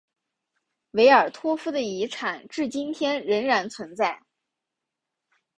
维尔托夫的遗产至今天仍然存在。